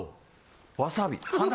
わさび。